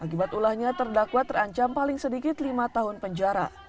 akibat ulahnya terdakwa terancam paling sedikit lima tahun penjara